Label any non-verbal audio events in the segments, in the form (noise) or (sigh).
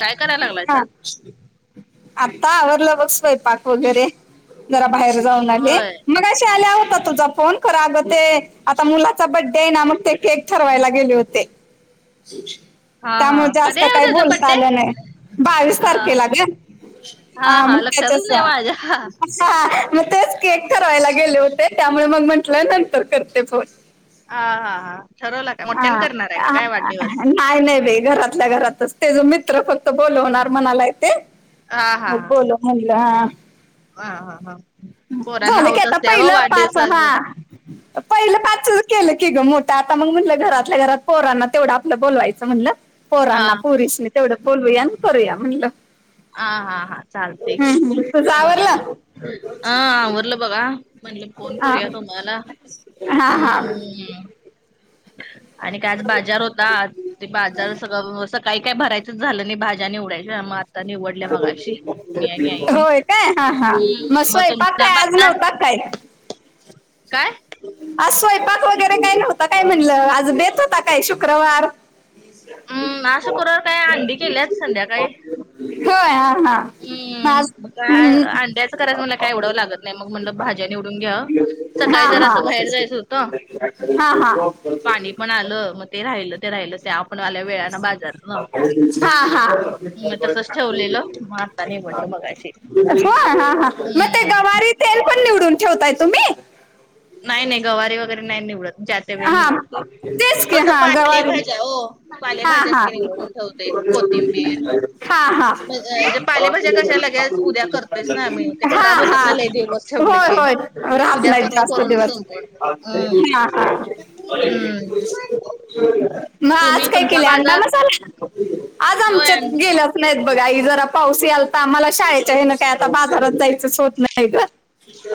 काय करायला हा लागलायसा? आता आवरलं बघ स्वयंपाक वगैरे जरा बाहेर जाऊन आले होय. मग अे आल्या होता तुझा फोन खरा अगं ते आता मुलाचा बड्डे आहे ना मग ते केक ठरवायला गेले होते. हा हा त्यामुळे कधी जास्त हाय काही बोलता आलं नाही बावीस तारखेला हा. ग हा मुख्याच लक्षातच नाही माझ्या. तसं हा मग तेच कीकेक ठरवायला गेले होते, त्यामुळे मग म्हंटलं नंतर करते फोन. हा हा हा ठरवलं? का मोठ्याने करणार आहे काय वाढदिवस काय नाही बाई घरातल्या घरातच त्याच मित्र फक्त बोलवणार म्हणालाय ते हा हा मग बोलव म्हणलं हा हा हा हा हा.. पोरांना झालं की हौस आता असत्या ओ पहिलं पाच वाढदिवसाचं. हं पहिलं पाचच केलं की गं मोठ आता मग म्हणलं घरातल्या घरात पोरांना तेवढं आपलं बोलवायचं म्हटलं. हा. पोरांना पोरीसनी तेवढं बोलवूया करूया म्हणलं हा हा हा चालतेय की हम्म तुझं अ आवरलं अ आवरलं बघा म्हटलं फोन हा करूया तुम्हाला हा हा हमं आणि काय आज बाजार होता ते बाजार सगळं व्यव काही काय भरायचंच झालं नाही भाज्या निवडाच्या मग आता निवडल्या मगाशी मी आणि आईनी होय काय हा हा हम्म मग स्वयंपाक काय आज तुमचा नव्हता काय काय? आज स्वयंपाक वगैरे काही नव्हतं काय म्हणलं आज बेत होता काय शुक्रवार? हम्म आज शुक्रवारी काय अंडी केल्याच संध्याकाळी होय हा हा माझ हम्म मग काय हम्म अंड्याच करायचं मला काय एवढं लागतं नाही मग म्हणलं भाज्या निवडून घ्या. हा सकाळी जरा हा असं बाहेर जायचं होतं हा पाणी पण आलं मग ते राहिलं ते राहिलं आल्या वेळानं बाजारनं हा हा मग तसंच ठेवलेलं मग आता निवडलं मगाशी हा हा मग हम्म गवारी तेल पण निवडून ठेवताय तुम्ही? नाही नाही गवारी वगैरे नाही निवडत ते हा निवडते तेच की हो तर हा गवारी पालेभाज्या हो हा पालेभाज्याच हा निवड हा कोथिंबीर म्हे पालेभाज्या कशा लगेच उद्या कर ही ते हा खराब हा होतात हा ना लय दिवस ठेवले होय की होय राहत उद्या नाहीत परवा जास्त हम्म हम्म म आज तुम्ही काय तुमचा केले अंडा बाजार मसाला? आज होय आमच्यात गेल्या नाहीत बघा आई जरा पाऊस यालता तर आम्हाला शाळेच्या हे ना काय आता बाजारात जायचंच होत नाही तर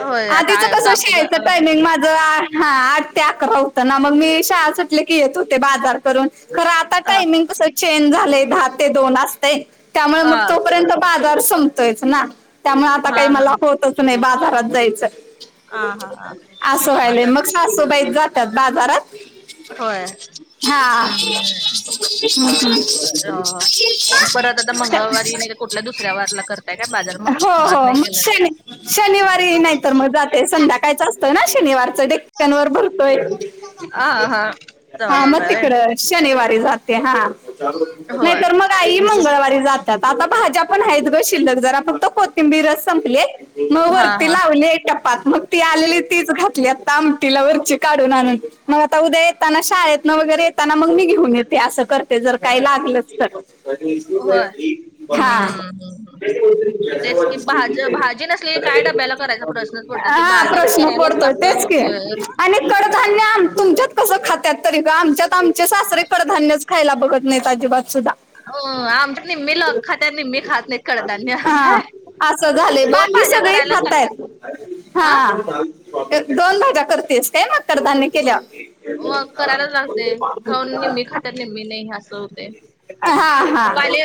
होय आता आधीच कसं काकू जा शाळेचं अ टायमिंग माझं ते अकरा होत ना मग मी शाळा सुटले की येत होते बाजार करून खरं आता अ टायमिंग कसं चेंज झाले दहा ते दोन असते त्यामुळे हा मग तोपर्यंत बाजार संपतोयच ना. त्यामुळे आता काही हा मला होतच नाही बाजारात जायचं हा हा असं व्हायलंय आता मग सासुबाईच जातात बाजारात होय. हा हम्म परत आता मंगळवारी कुठल्या दुसऱ्या वाराला करताय काय बाजार मग हो आज हो नाही मग केला तर ते संध्याकाळचं असतं ना शनिवारचं डेक्कनवर बघ होय हा हा जवा हा मग जाताय तिकडं शनिवारी जातंय हा नाही होय तर मग आई मंगळवारी जातात आता भाज्या पण आहेत गं शिल्लक जरा फक्त कोथिबिर कोथिंबीर संपले मग हा वरती हा लावली पात मग ती आलेली तीच घातली आता आमटीला वरची काढून आणून मग आता उद्या येताना शाळेतन वगैरे येताना मग मी घेऊन येते असं कर ते जर काही लागलं तर होय हा हम्म तेच की भाजी भाजी नसली की काय डब्याला करायचा प्रश्नच पडतो ते हा बाजार प्रश्न करायलच पडतोय लाग तेच हम्म की हम्म आणि कडधान्य तुमच्यात कसं खात्याात तरी ग आमच्यात आमचे सासरे कडधान्यच खायला बघत नाही अजिबात सुद्धा हो आमच्या निम्मी लोक खात निम्मी खात नाही कडधान्य हा असं झालं दोन बाकी भाज्या सगळे करायलाच खाताय लागतात. आ हा दोन भाजा करतेस का मग कडधान्य केल्यावर हो अग करायलाच लागते खाऊन निम्मी खात निम्मी खात्यात निम्मी नाही खात असं होते हा हा पाले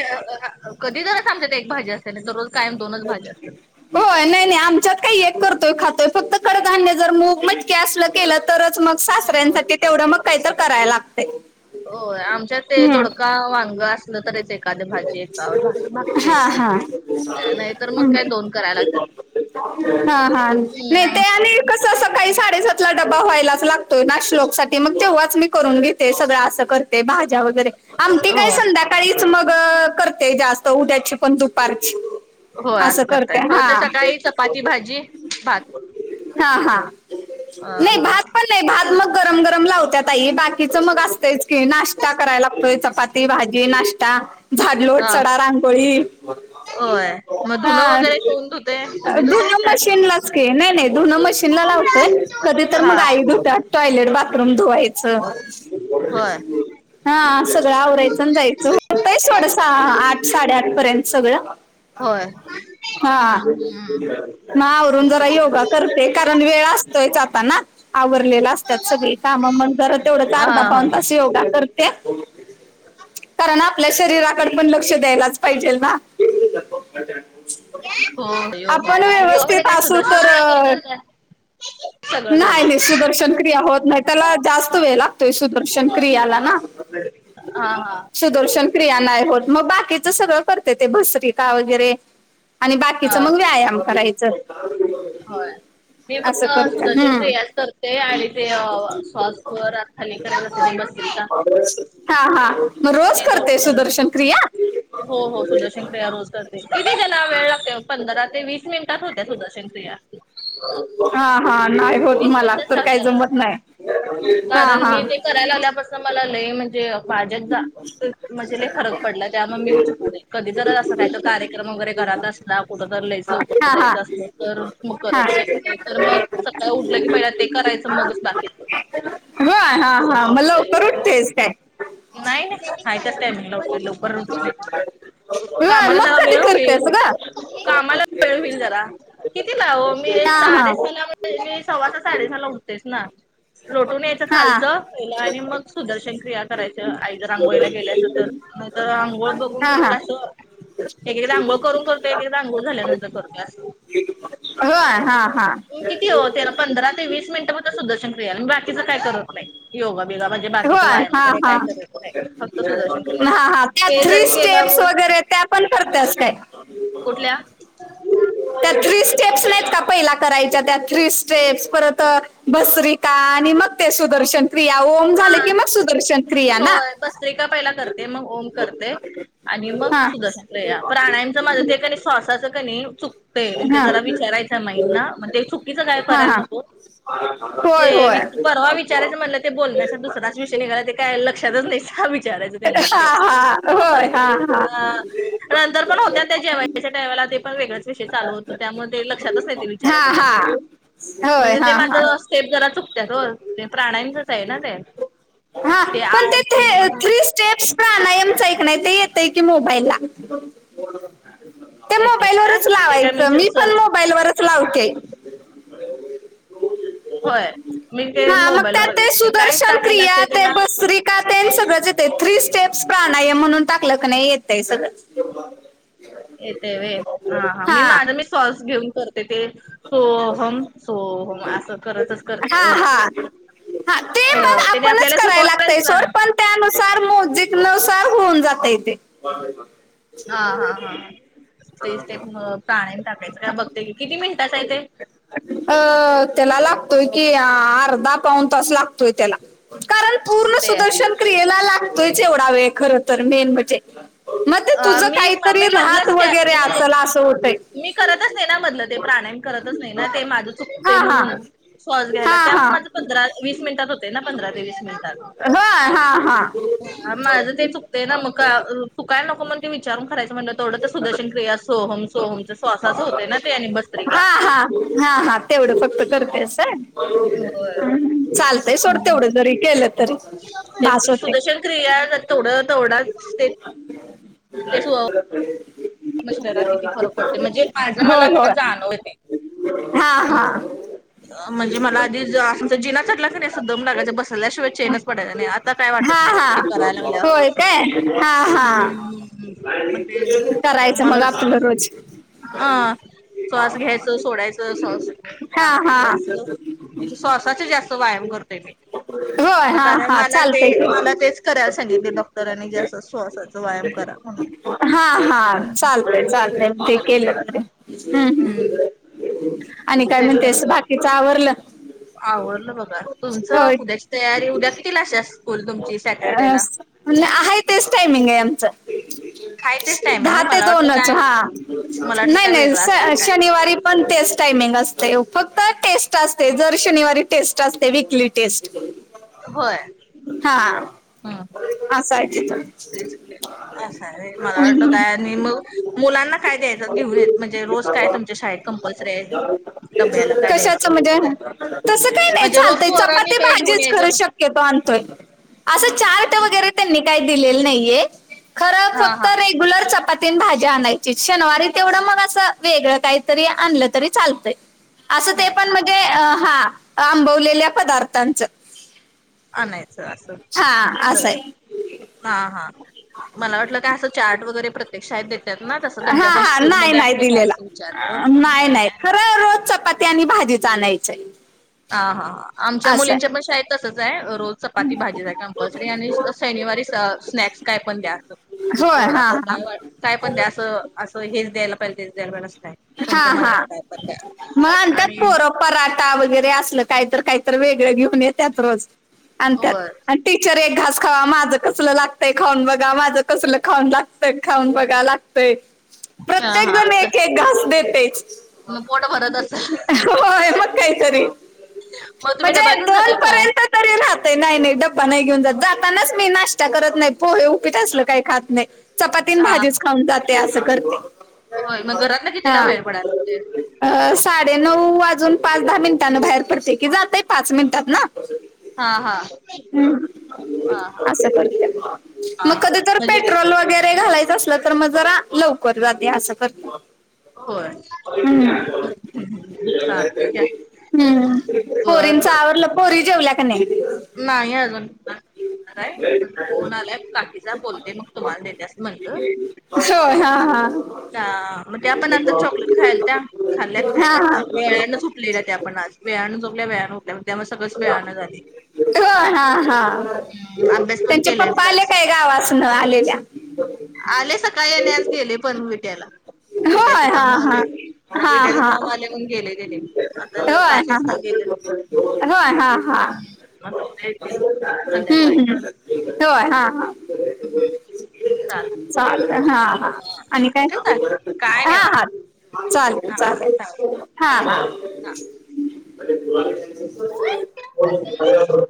कधी तरराच आमच्यात एक भाजी असतीय. त्याने दररोज कायम दोनच भाज्या असतात. हो नाही नाही आमच्यात काही एक करतोय खातोय फक्त कडधान्य जर मूग मटकी असलं केलं तरच मग सासऱ्यांसाठी तेवढं मग काहीतर करायला लागतंय. हो आमच्यात ते हम्म दोडका, वांग असतं असलं तरच एखादी भाजी एकावर भागतय हा हा नाहीतर मग हम्म. काय दोन करायला लागत्यात हा हा नाही ते आणि कसं सकाळी साडेसातला डबा व्हायलाच लागतोय ना श्लोकसाठी मग तेव्हाच मी करून घेते सगळं असं करते भाज्या वगैरे आमटी काय होय संध्या सकाळीच मग करते जास्त उद्याची पण दुपारची हो असं करताय करते होय हा तर सकाळी चपाती, भाजी, भात हा हा अ नाही हा भात पण नाही भात मग गरम गरम लावत्यात आई बाकीच मग असतयच की नाश्ता करायला लागतोय चपाती, भाजी नाश्ता झाड लोट हा सडा रांगोळी होय मग धुनं हा वगैरे कोण धुतय तुम्ही धुताय धुन काय मशीन लाच की नाही नाही धुन मशीन मशिनला लावतोय कधी तर हा मग आई धुत्यात टॉयलेट बाथरूम धुवायचं होय हा सगळं आवरायचं जायचं होतय सोड आठ साडेआठ पर्यंत सगळं होय हा आवरून जरा योगा करते कारण वेळ असतोयच आता ना आवरलेला असत त्यात सगळी काम मग जर तेवढंच हा अर्धा हा पावन तास योगा करते कारण आपल्या शरीराकडे पण लक्ष द्यायलाच पाहिजेल ना हो योगा आपण योगामध्ये व्यवस्थित काय असू सुदर्शन तर क्रिया वगैरे करताय सगळं नाही नाही व्यवस्थित सुदर्शन क्रिया होत नाही त्याला जास्त वेळ लागतोय सुदर्शन क्रियाला ना (inaudible) हा हा सुदर्शन क्रिया नाय होत मग बाकीच सगळं करते ते भसरिका वगैरे आणि बाकीच हा मग व्यायाम करायचं होय मी असं फक्त करते सुदर्शन हम्म क्रियासच करते आणि ते श्वास खाली करायला मस्तचा हा हा मग रोज ते करते तोडत सुदर्शन क्रिया हो हो सुदर्शन क्रिया रोज करते तिथे त्यांला वेळ लागते पंधरा ते वीस मिनिटात होते सुदर्शन ते हा हा नाही होत मला मिनिटं तर काही सांगा. जमत नाही हा हा जालाल्यापासून मला लय म्हणजे पाजक म्हजेला फरक पडला त्यामुळे मी चुक कधीतर असं कात कार्यक्रम वगैरे घरात असला कुठ ज लईच लवकर हा हा जायचं असलं तर मग हा करत नाही नाहीत मग उठलं की पहि ते करायचं मगच दाच ग हा हा मला कर उटतेच काय नाही नाही खायच टयमंग लव ल व्हय कामाला मग जरा कधी वेळ होईल करतेस ग? कामाला वेळ होईल जरा किती लाव मी हा हा. साडेस मी सव्वाच्या साडेसहा ला उठतेस ना रोटून या्यायचं हा खालचं आणि मग सुदर्शन क्रिया करायचं आई जर आंघोळीला गेलायच तरर आंघोळ हा हा तस एक एकदा अंघोळ करून करतोय एक एकदा अंघोळ झाल्यानंतर करतोय असं होय हा हा किती ओ त्याला पंधरा ते वीस मिनटं मग सुद्दर्शकियाला मी बाकीचं काय करत नाही योगा बिगा म्हणजे बाकीचा होय व्यायाम हा वगैरे हा. काय कर नाही फक्त सुदर्शन क्रिया हा हा त्या ते थ्री जरी स्टेप्स केलावर वगैरे त्या पण करत्यास काय कुठल्या त्या थ्री स्टेप्स नाहीत का पहिला करायच्या त्या थ्री स्टेप्स परत भसरिका आणि मग ते सुदर्शन क्रिया ओम झाले की मग सुदर्शन क्रिया ना पसत्रेका पहिला करते मग ओम करते आणि मग हा सुदर्शन प्राणांचं माझं ते क शवासाचं कनी चुकतंय म्हणज ते जरा हा. विचारायचं. चुकीच काय हा करायला हा नको होय होय ते परवा.. विचारायच म्हणलं ते बोलण्याचा दुसराच विषय निघाला ते काय लक्षातच नाही स विचाराचं. हा हा होय हा हा. हा. नंतर पण होत्या त्या जेवयच्या टाला ते पण वेगळाच विषय चालू होतं त्यामुळे ते लक्षातच. विचाय हा त्यांना हा होय म्हणजे ते हा माझ.. हा सेप जरा चुकत हो ते प्राणांचच आहे ना ते ते आठ तीन.. प्राणामच ऐक नाही ते येतंय कि मोबाईल ला. ते येते मोबाईल काय वच ते काय लावायचं मी पण सर्च मोबाईलवरच. सलाव का. होय मी ते मोबाईल व बघ नाही कायच टाकायला असते त्याला. का सगळंच येतय थ्री स्टेप्स प्राणायाम म्हणून टाकलं क नाही येतय सगळं. येते व ह हा मी माझा मी सॉल्स घेऊन करत. ते ते सोहम सोहम असं करतच. हा करते हो हा हा ते मग त्याने आपणच आपल्याला कराय शिकवलंच लागतय ना सोड पण. त्यानुसार म्युझिक नुसार होऊन जातय ते. हा हा हा तेच ते प्राण्याम टाकायचं काय बघते की किती मिनिटाचं आहे ते अ त्याला लागतोय कि अर्धा पाऊन तास लागतोय त्याला. कारण पूर्ण ते सुदर्शन क्रियेला लागतोयच एवढा वेळ खर तर मेन म्हणजे. मग ते तुझं मी काहीतरी मी राहात मधलंच त्या वगैरे मी असल असं होतंय. मी करत असते ना मधलं ते प्राणाम करतच. नाही ना ते माझं चुकत हा हा म्हणून श्वास घ्यायला त्या हा हा माझ पंधरा वीस मिनिटात होते ना पंधरा ते वीस मिनिट. हाय हा हा. माझं ते चुकतंय ना मग चुकाय नको मण ते विचारून करायचं म्हण तेवढं तर सुदर्शन क्रिया अस. सोहम सोहमच्या श्साच होते ना. भस्त्रिका. हा हा हा हा तेवढं फक्त करतेस चाल ते सोडते तेवढे जरी केलं. तरी बास होतंय सुदर्शन क्रिया तेथोड तेवडा ते (unintelligible) म शरीरात किती फरक पडते म्हणजे माझं होय मला मला होय जाणव येते. हा हा. म्हणजे मला आधी असमचा जिना चटढला क नाही सध मगडगाच्या बसल्याशिवाय चेनच पडायचा नाही आता काय ह वाटत. नाही. हा ते करायला होय लागल्यापासून. काय हा हा. हम्म मग ते करायचं मला मग आता दररोज. अ सॉस घ्यायचं सोडायचं सॉस हा पाय हा असलं म्हणजे सवसाच जास्त व्यायाम करतोय मी.. होय मग हा कारण हा मला ते चालतंय मला तेच. करायला सांगितले की डॉक्टरांनी जे असं श्वासाचा व्यायाम करा म्हणून.. हा हा चालतय चालत ते करते केलं त हम्म ह् आणि काय म्हणते अस बाकीचं आवरलं. आवरडलं बघा तुमचं होय उद्याची तयारी उद्या कितीलाशा स्कूल तुमची अ सॅटर्डेला. आहे तेच टायमिंग आहे आमचं. हाय तेच टायमिंग दहा ते मला वाटलं दोनच काय हा मला वाटलं नाही काय वेगळं असेल नाही काय शनिवारी. पण तेच टाइमिंग असते फक्त टेस्ट असते जर शनिवारी टेस्ट असते वीकली टेस्ट. होय. हा. हा. ह सायतेत. तेच असं रे मला वाटलं काय आणि मग मुलांना काय द्यायचं घेऊन येत म्हण. म्हणे रोज काय तुमच्या शाळेत कंपल्सरीे आहेत. कशाच म्हणजे तस काही नाही म्हणजे रोज चालतय पोरांनी चपाती काय घेऊन भाजीच करू यायचं शकत. तो आणतोय असं चार्ट वगैरे त्यांनी काही दिलेलं नाहीये. खरं हा फक्त हा. रेग्युलर चपातीन भाज्या आणायची शनिवारी तेवढं मग असं वेगळं काहीतरी आणलं तरी चालतंय. असं ते पण स्नॅक्स म्हणजे हा आंबवलेल्या पदार्थांचं. अ नाहीयचं असं. हा असं बर आहे. हा हा मला वाटलं काय असं चार्ट वगैरे प्रत्यक्ष आहेत देत. त्यात ना तसं तुमच्या हा पण हा नाही स्कूलमध्ये नाही आहे का दिलेला असं अ, विचारत नाही नाही. रोज चपाती आणि भाजी चालायचीय. हा हा हा आमच्या मुलींच्या पण शाेत तसच आहे रोज चपाती भाजीच आहे कंपल्सरी आणि शनिवारी स्नॅक्स काय पण द्या असत. आहे होय कोरडा हा काय वाट हा काय पण द्या असं असं हेच द्यायला पाहिजे तेच द्यायला पहि नसतय. हा हा म्हणतात आणि पोर पराठा वगैरे असल काहीत काहीत वेगळं घेऊन येतत रोज आणि होय त्यात टीचर एक घास खावा माझं कसलं लागतंय खाऊन बघा माझं कसलं खाऊन लागतंय खाऊन बघा लाग. हा प्रत्येक हा जण असं एक एक घास देते. मग पोट भरत असेल. होय मग काहीतरी मग तुम्ही डबा म्हणजे घेऊन दोन जाताय काय? पर्यंत तरी ना. नाही डब्बा नाही घेऊन जात जातानाच मी नाश्ता करत नाही पोहे उपीत असल काही खात नाही. चपातीन हा भाजीच खाऊन जाते असं करते. होय मग घरात ना हा कितीिला बाहेर पडाय लागते. अ साडेनऊ वाजून पाच दहा मिनिटांने बाहेर पडते की जातय पाच मिनिटात ना. हा हा. हा. हा हा हा मग कधी तर म्हणजे पेट्रोल घालायचं असल तर मग जरा लवकर जाते असं करत. हो. चालते काय हम्म बर पोरींच बर. आवरलं पोरी जेवल्यात. त्यां नाही अजून काय फोन आलाय काकीचा बोलते मग तुम्हाला देतस म्हणत. होय हा हा. का म्हण ते आपण आता हा चॉकलेट खायला त्या खाल्ल्यात हा खायातता वेळने लेल्या त्या आपण आज वेळाानं जोगल्या वेळानें उकल्याग त्यामुळे सगळंच वेळानं झाले. हो हा हा अभ्यास पण त्यांच्या केला नाहीत पप्पा आले आज काय गावासून आलेल्या आले सकाळी येने आज गेले पण विट्याला विट्याच होय हा काम हा आले. हा विट्याच हा काम आले म्हण गेले ग आता होय पाच हा हा वाजता गेलं. होय हा हा म येत. हम्म हम्म हम् होय हा. चालतंय ल हा आणि काय? ठेवू काय नाही हा बघा हा चालेल चालेल हा. अ.